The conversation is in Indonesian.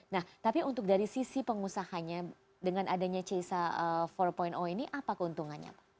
nah tapi untuk dari sisi pengusahanya dengan adanya cesa empat ini apa keuntungannya pak